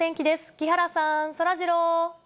木原さん、そらジロー。